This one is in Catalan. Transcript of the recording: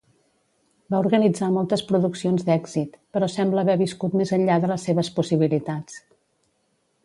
Va organitzar moltes produccions d'èxit, però sembla haver viscut més enllà de les seves possibilitats.